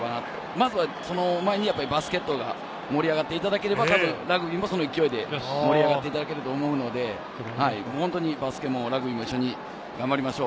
まずはその前にバスケットが盛り上がっていただければ、たぶんラグビーもその勢いで盛り上がっていただけると思うので、本当にバスケもラグビーも一緒に頑張りましょう。